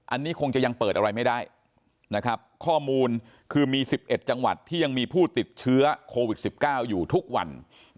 อันนี้คงจะยังเปิดอะไรไม่ได้นะครับข้อมูลคือมี๑๑จังหวัดที่ยังมีผู้ติดเชื้อโควิด๑๙อยู่ทุกวัน